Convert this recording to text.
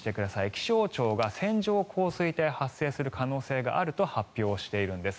気象庁が線状降水帯が発生する可能性があると発表しているんです。